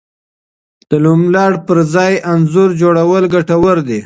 د نوملړ پر ځای انځور جوړول ګټور دي.